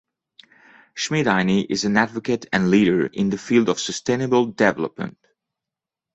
Schmidheiny is an advocate and leader in the field of sustainable development.